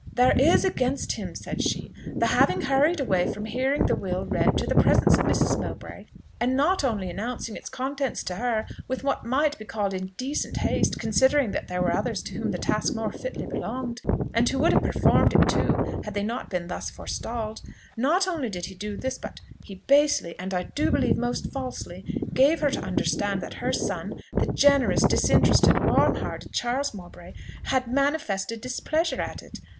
"There is against him," said she, "the having hurried away from hearing the will read to the presence of Mrs. Mowbray, and not only announcing its contents to her with what might well be called indecent haste, considering that there were others to whom the task more fitly belonged, and who would have performed it too, had they not been thus forestalled; not only did he do this, but he basely, and, I do believe, most falsely, gave her to understand that her son, the generous, disinterested, warm hearted Charles Mowbray, had manifested displeasure at it.